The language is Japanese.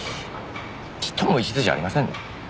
ちっとも一途じゃありませんね。